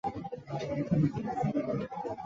以色列境内的童军团皆为男女混合。